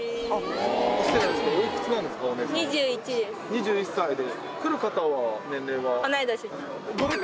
２１歳で。